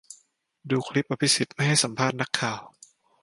ดูคลิปอภิสิทธิ์ไม่ให้สัมภาษณ์นักข่าว